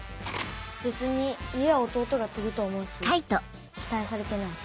別に家は弟が継ぐと思うし期待されてないし。